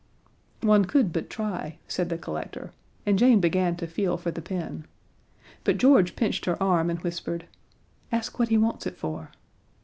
"One could but try," said the collector, and Jane began to feel for the pin. But George pinched her arm and whispered, "Ask what he wants it for."